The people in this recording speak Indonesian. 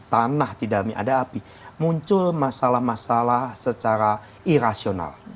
tanah di dalamnya ada api muncul masalah masalah secara irasional